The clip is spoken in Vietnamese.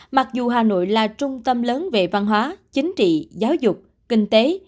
mặc dù hà nội là trung tâm lớn về văn hóa chính trị giáo dục kinh tế